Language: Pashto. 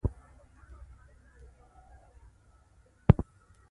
موږ بايد تل پر مخ لاړ شو.